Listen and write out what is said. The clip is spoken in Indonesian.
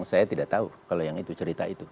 saya tidak tahu kalau yang itu cerita itu